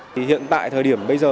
thì hiện tại thời điểm bây giờ